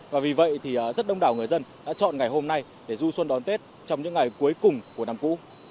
và vì vậy thì rất đông đảo người dân đã chọn ngày hôm nay để du xuân đón tết trong những ngày cuối cùng của năm cũ